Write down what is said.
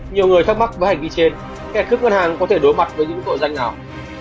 nhiều người thắc mắc với hành vi trên kẻ cướp ngân hàng có thể đối mặt với những tội danh nào